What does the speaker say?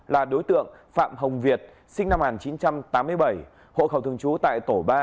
là đối tượng phạm hồng việt sinh năm một nghìn chín trăm tám mươi bảy hộ khẩu thường trú tại tổ ba